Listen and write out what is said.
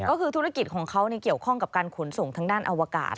ก็คือธุรกิจของเขาเกี่ยวข้องกับการขนส่งทางด้านอวกาศ